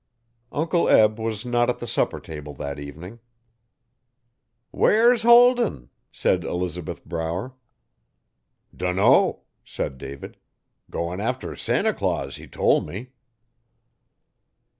Uncle Eb was not at the supper table that evening. 'Where's Holden?' said Elizabeth Brower. 'Dunno,' said David. 'Goin' after Santa Claus he tol' me.